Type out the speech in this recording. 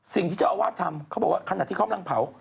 สิ่งที่เจ้าอาวาสทำเขาบอกว่าขณะที่เขากำลังเผา